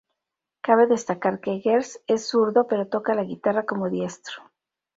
Cabe destacar que Gers es zurdo pero toca la guitarra como diestro.